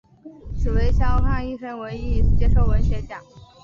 此为萧沆一生唯一一次接受文学奖。